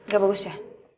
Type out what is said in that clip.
gak bagus ya